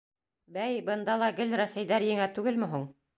Бәй, бында ла гел рәсәйҙәр еңә түгелме һуң?